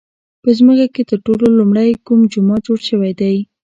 په ځمکه کې تر ټولو لومړی کوم جومات جوړ شوی دی؟